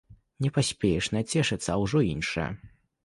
Не паспееш нацешыцца, а ўжо іншае.